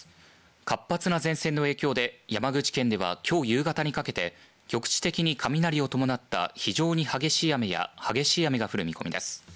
活発な前線の影響で山口県ではきょう夕方にかけて局地的に雷を伴った非常に激しい雨が降る見込みです。